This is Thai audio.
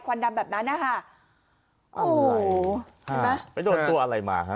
วันดำแบบนั้นนะคะโอ้โหเห็นไหมไปโดนตัวอะไรมาฮะ